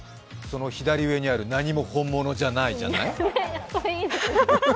左上にある「何も本物じゃない、」じゃない？